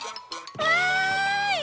わい！